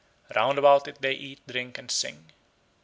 Round about it they eat, drink, and sing.